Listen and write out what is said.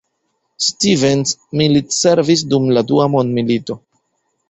Stevens militservis dum la Dua Mondmilito.